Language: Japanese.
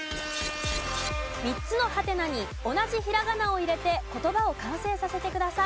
３つのハテナに同じひらがなを入れて言葉を完成させてください。